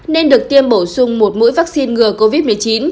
nên được tiêm bổ sung một mũi vaccine ngừa covid một mươi chín